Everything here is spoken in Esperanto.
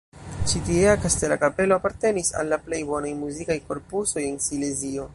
Ĉi tiea kastela kapelo apartenis al la plej bonaj muzikaj korpusoj en Silezio.